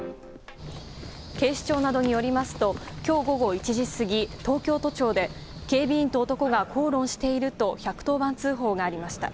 警視庁などによりますと今日午後１時過ぎ東京都庁で警備員と男が口論していると１１０番通報がありました。